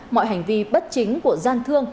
mọi hành vi bất chính của gian thương